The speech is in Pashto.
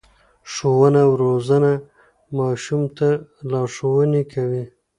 ښوونه او روزنه ماشوم ته لارښوونه کوي.